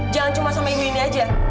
jangan cuma sama ibu ini aja